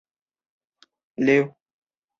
十七世纪后来到的多是葡萄牙人带来的奴隶。